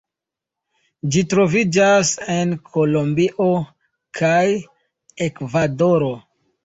Ĝi troviĝas en Kolombio kaj Ekvadoro.